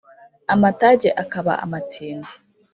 amatage akaba amatindi